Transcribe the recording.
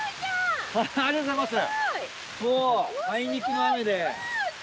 ありがとうございます。